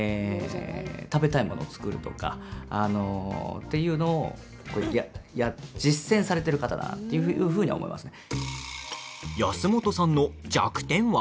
っていうのを実践されてる方だっていうふうに思いますね。